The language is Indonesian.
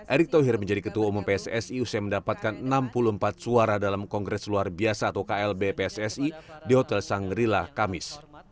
erick thohir menjadi ketua umum pssi usai mendapatkan enam puluh empat suara dalam kongres luar biasa atau klb pssi di hotel sangrila kamis